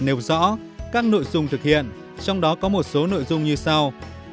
nêu rõ các nội dung thực hiện trong đó có một số nội dung như sau